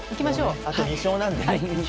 あと２勝なので。